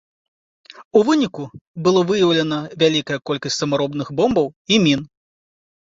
У выніку было выяўлена вялікая колькасць самаробных бомбаў і мін.